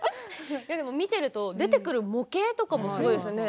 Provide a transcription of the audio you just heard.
でも見ていると出てくる模型とかもすごいですね。